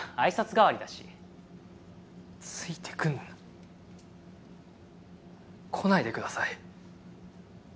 代わりだしついてくんなこないでください